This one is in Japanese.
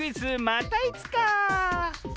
またいつか！